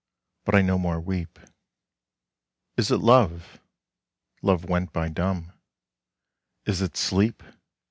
but I no more weep. Is it love? love went by dumb. Is it sleep?